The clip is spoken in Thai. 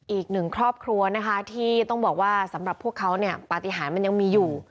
อีกหนึ่งครอบครัวนะคะที่ต้องบอกว่าสำหรับพวกเขาเนี่ยปฏิหารมันยังมีอยู่